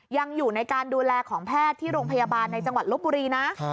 ยังอยู่ในการดูแลของแพทย์ที่โรงพยาบาลในจังหวัดลบบุรีนะ